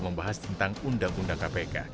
membahas tentang undang undang kpk